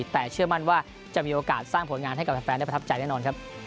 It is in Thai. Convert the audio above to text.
แต่เชื่อมั่นว่าจะมีโอกาสสร้างผลงานให้กับแฟนได้ประทับใจแน่นอนครับ